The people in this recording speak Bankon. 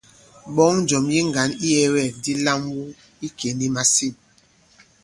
Ɓɔ̌ŋ njɔ̀m yi ŋgǎn iyɛ̄wɛ̂kdi lam wu ikè nì màsîn.